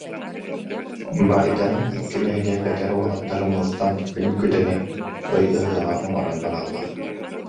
Баайдарын икки нэһилиэк эдэр уолаттара мустан күн күдэнэ, ый ыһыаҕа оҥорон бараллар